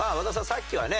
さっきはね